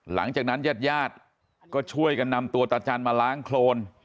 หลังจากนั้นญาติญาติก็ช่วยกันนำตัวตาจันมาล้างโครน